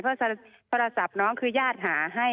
เพราะโทรศัพท์น้องคือญาติหาให้